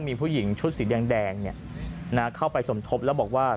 มีผู้หญิงชุดสีแดงเข้าไปสมทบแล้วบอกว่า